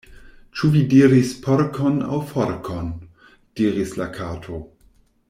"Ĉu vi diris porkon, aŭ forkon?" diris la Kato.